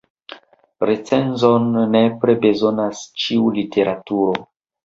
Recenzon nepre bezonas ĉiu literaturo.